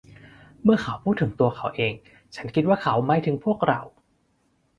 เมื่อเขาพูดถึงตัวเขาเอง ฉันคิดว่าเขาหมายถึงพวกเรา